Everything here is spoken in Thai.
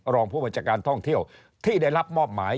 รองผู้บัญชาการท่องเที่ยวที่ได้รับมอบหมาย